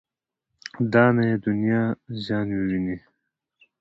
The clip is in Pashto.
دا نه یې دنیا زیان وویني.